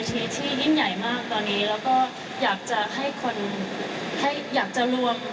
แล้วก็ได้รู้สึกว่ามีคนจะฟังมิริยามากขึ้น